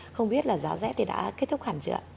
không biết là giá rét thì đã kết thúc hẳn chưa